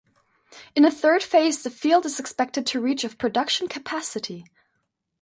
In a third phase the field is expected to reach of production capacity.